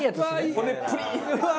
骨プリッ！